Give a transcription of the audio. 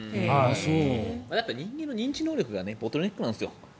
人間の認知能力がボトルネックなんですよ。